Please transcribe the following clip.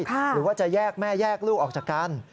หรือว่าจะแยกแม่แยกลูกออกจากกัน